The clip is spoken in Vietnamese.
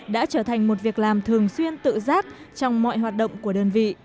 đã trở thành một việc làm thường xuyên tự giác trong mọi hoạt động của đơn vị